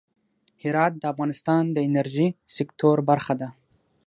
هرات د افغانستان د انرژۍ سکتور برخه ده.